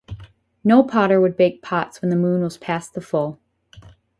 No potter would bake pots when the moon was past the full.